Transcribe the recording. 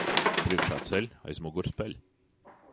Priekšā ceļ, aiz muguras peļ.